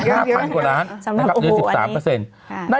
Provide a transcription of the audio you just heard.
๕๐๐๐กว่าล้านสำหรับอุบูอันนี้